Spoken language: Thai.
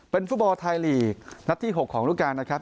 เป็นฟุตบอลไทยลีกนัดที่๖ของรูปการณ์นะครับ